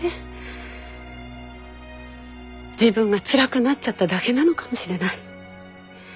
自分がつらくなっちゃっただけなのかもしれない。